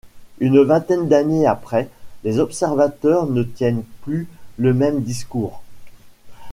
Une vingtaine d'années après, les observateurs ne tiennent plus le même discours.